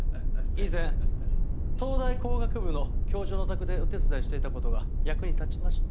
以前東大工学部の教授のお宅でお手伝いしていた事が役に立ちました。